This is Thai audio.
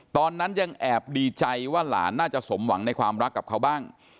ตอนนั้นยังแอบดีใจว่าหลานน่าจะสมหวังในความรักกับเขาบ้าง